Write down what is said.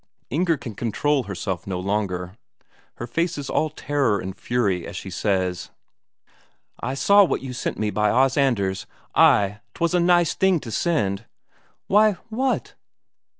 Inger can control herself no longer. Her face is all terror and fury as she says: "I saw what you sent me by Os Anders. Ay, 'twas a nice thing to send!" "Why ... what...?"